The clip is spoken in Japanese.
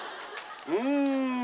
うん。